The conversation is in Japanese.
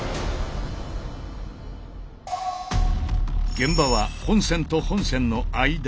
現場は本線と本線の間。